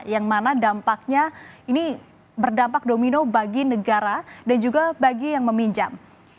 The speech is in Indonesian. yang mana dampaknya ini berdampak domino bagi negara dan juga bagi yang meminjam